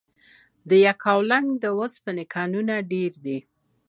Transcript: د یکاولنګ د اوسپنې کانونه ډیر دي؟